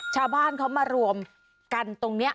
ชาวบ้านเขามารวมกันตรงนี้